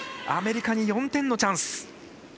アメリカに４点のチャンス。